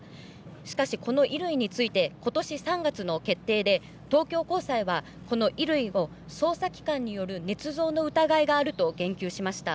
しかし、この衣類についてことし３月の決定で東京高裁はこの衣類を捜査機関によるねつ造の疑いがあると言及しました。